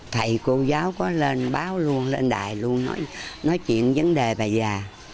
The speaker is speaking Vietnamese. thầy cô giáo có lên báo luôn lên đài luôn nói chuyện vấn đề về già